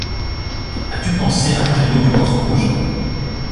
As-tu pensé à changer l'eau du poisson rouge ?